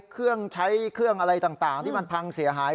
เครื่องใช้เครื่องอะไรต่างที่มันพังเสียหาย